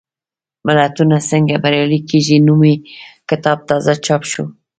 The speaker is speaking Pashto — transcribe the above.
ملتونه څنګه بریالي کېږي؟ نومي کتاب تازه چاپ شو.